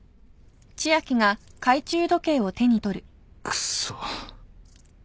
クソ